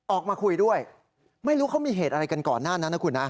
ออกมาคุยด้วยไม่รู้เขามีเหตุอะไรกันก่อนหน้านั้นนะคุณนะ